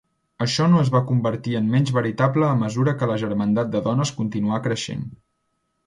Això no es va convertir en menys veritable a mesura que la germandat de dones continuà creixent.